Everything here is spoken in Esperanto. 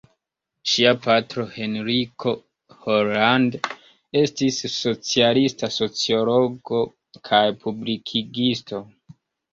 Ŝia patro Henriko Holland estis socialista sociologo kaj publikigisto.